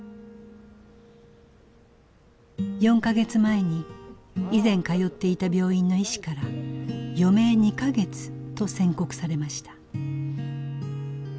４か月前に以前通っていた病院の医師から余命２か月と宣告されました。